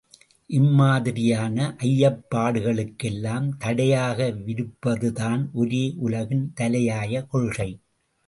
இம்மாதிரியான ஐயப்பாடுகளுக்கெல்லாம் தடையாகவிருப்பதுதான் ஒரே யுலகின் தலையாய கொள்கை.